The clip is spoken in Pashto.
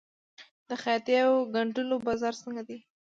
د خیاطۍ او ګنډلو بازار څنګه دی؟